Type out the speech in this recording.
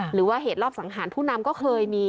หรือว่าเหตุรอบสังหารผู้นำก็เคยมี